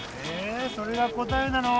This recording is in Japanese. それが答えなの？